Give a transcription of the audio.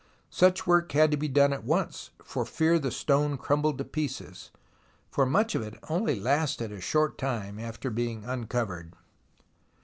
Such work had to be done at once for fear the stone crumbled to pieces, for much of it only lasted a short time after being uncovered.